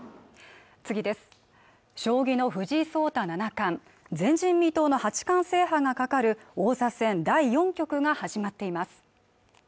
将棋の藤井聡太七冠前人未到の八冠制覇がかかる王座戦第４局が始まっています